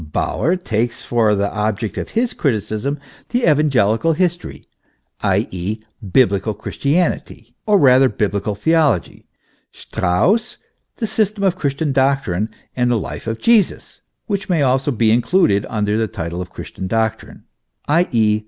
Bauer takes for the object of his criticism the evangelical his tory, i.e., biblical Christianity, or rather biblical theology; PKEFACE. XV Strauss, the System of Christian Doctrine and the Life of Jesus, (which may also be included under the title of Christian Doc trine,) i.e.